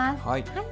はい。